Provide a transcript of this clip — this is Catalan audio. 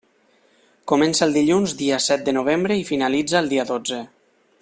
Comença el dilluns dia set de novembre i finalitza el dia dotze.